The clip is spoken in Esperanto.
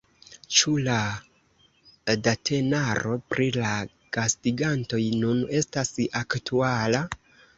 Ĉu la datenaro pri la gastigantoj nun estas aktuala?